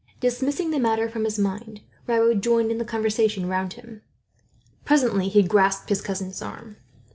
Dismissing the matter from his mind, Raoul joined in the conversation round him. Presently he grasped his cousin's arm.